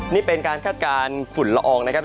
นี่เป็นการคาดการณ์ฝุ่นละอองนะครับ